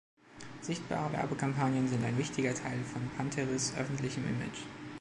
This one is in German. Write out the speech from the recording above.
Sichtbare Werbekampagnen sind ein wichtiger Teil von Pantteris öffentlichem Image.